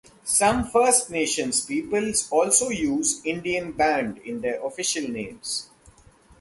Some First Nations peoples also use "Indian Band" in their official names.